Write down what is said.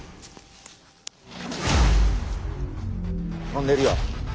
飛んでるよ。